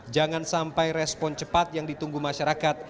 jangan sampai respon cepat yang ditunggu masyarakat